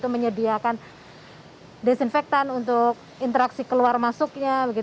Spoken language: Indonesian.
menyediakan desinfektan untuk interaksi keluar masuknya